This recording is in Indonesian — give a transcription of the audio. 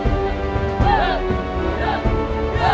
wah kenapa kalian pada latihan tanpa saya